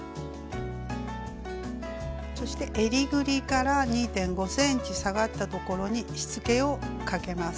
そしてえりぐりから２．５ｃｍ下がったところにしつけをかけます。